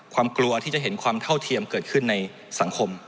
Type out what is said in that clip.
กลัวที่จะเห็นความเท่าเทียมเกิดขึ้นในสังคม